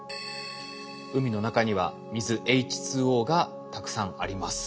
海の中には水ＨＯがたくさんあります。